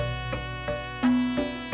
ada lu mai